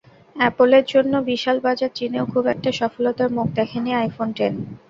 অ্যাপলের জন্য বিশাল বাজার চীনেও খুব একটা সফলতার মুখ দেখেনি আইফোন টেন।